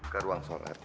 ke ruang sholat